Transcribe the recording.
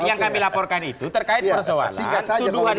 yang kami laporkan itu terkait persoalan tuduhan